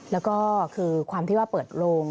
แล้วก็คือความที่ว่าเปิดโลง